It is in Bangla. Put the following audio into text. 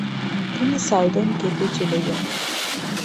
তিনি সাউদার্ন কেপে চলে যান।